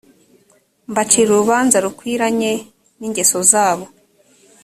mbacira urubanza rukwiranye n’ingeso zabo